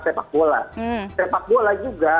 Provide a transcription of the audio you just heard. sepak bola sepak bola juga